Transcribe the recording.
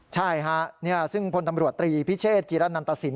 ใช่ค่ะเนี่ยซึ่งพลตำรวจตรีพิเศษจิรันตสิน